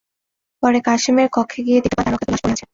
পরে কাশেমের কক্ষে গিয়ে দেখতে পান তাঁর রক্তাক্ত লাশ পড়ে আছে।